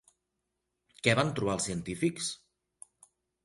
Què van trobar els científics?